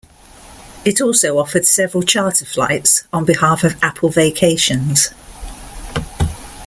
It also offered several charter flights, on behalf of Apple Vacations.